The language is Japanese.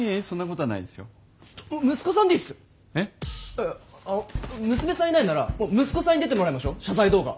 いやあの娘さんいないならもう息子さんに出てもらいましょう謝罪動画。